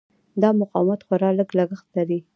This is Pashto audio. دا مقاومت خورا لږ لګښت لري.